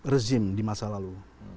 rezim di masa lalu